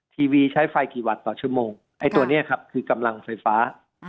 ทีวีใช้ไฟกี่วัตต์ต่อชั่วโมงไอ้ตัวนี้ครับคือกำลังไฟฟ้า